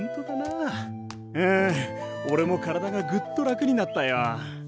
ああおれも体がぐっと楽になったよ。